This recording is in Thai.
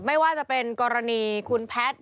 ไม่ว่าจะเป็นกรณีคุณแพทย์